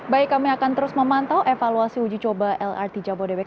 baik kami akan terus memantau evaluasi uji coba lrt jabodebek